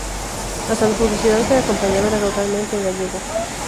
Hasta la publicidad que la acompañaba era totalmente en gallego.